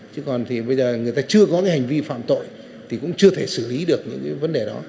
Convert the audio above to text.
chứ còn thì bây giờ người ta chưa có cái hành vi phạm tội thì cũng chưa thể xử lý được những cái vấn đề đó